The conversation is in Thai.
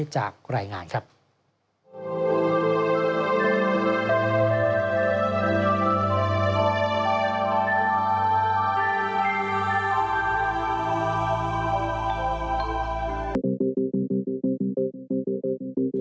จากแลกรายงานมีส่วน